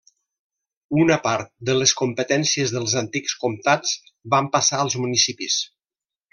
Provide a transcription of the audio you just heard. Una part de les competències dels antics comtats van passar als municipis.